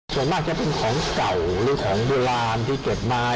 ส่วนมากจะเป็นของเก่าหรือของโบราณที่เก็บมา